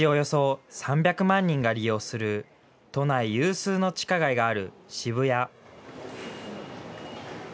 一日およそ３００万人が利用する都内有数の地下街がある渋谷。